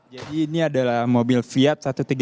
jadi ini adalah mobil fiat satu ratus tiga puluh satu mirafiori